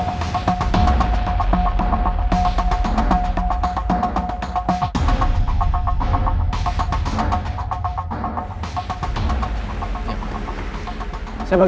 siapa sih hati hati kok